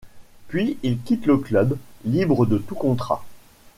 Puis il quitte le club, libre de tout contrat.